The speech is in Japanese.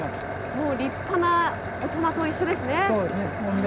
もう立派な大人と一緒ですね。